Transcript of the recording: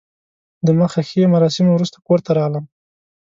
د مخه ښې مراسمو وروسته کور ته راغلم.